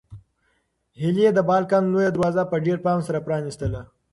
هیلې د بالکن لویه دروازه په ډېر پام سره پرانیستله.